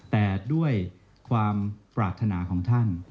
แต่ด้วยความปรารถนาของท่าน